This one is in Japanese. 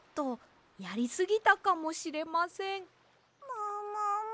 ももも。